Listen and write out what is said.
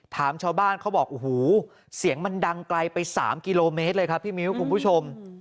ถามชาวบ้านเขาบอกโอ้โหเสียงมันดังไกลไป๓กิโลเมตรเลยครับพี่มิ้วคุณผู้ชม